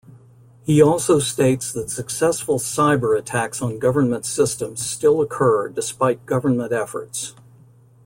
He also states that successful cyber-attacks on government systems still occur despite government efforts.